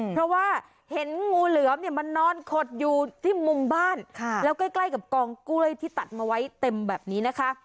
เพราะว่าเห็นงูเหลือมเนี่ยมันนอนขดอยู่ที่มุมบ้านแล้วใกล้กับกองกล้วยที่ตัดมาไว้เต็มแบบนี้นะคะ